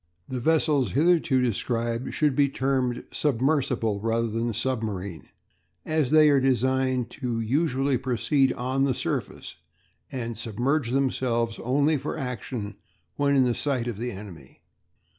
The vessels hitherto described should be termed submersible rather than submarine, as they are designed to usually proceed on the surface, and submerge themselves only for action when in sight of the enemy.